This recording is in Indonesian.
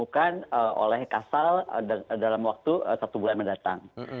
ini akan ditemukan oleh kasal dalam waktu satu bulan mendatang